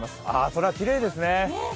空きれいですね。